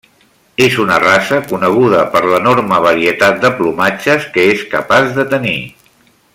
És una raça coneguda per l'enorme varietat de plomatges que és capaç de tenir.